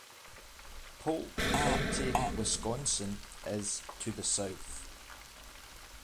Polk County, Wisconsin, is to the south.